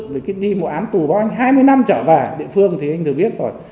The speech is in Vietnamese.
vì khi đi một án tù bà anh ấy hai mươi năm trở về địa phương thì anh ấy thường biết rồi